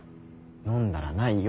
飲んだらないよ。